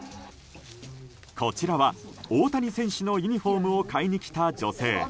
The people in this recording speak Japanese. こちらは大谷選手のユニホームを買いに来た女性。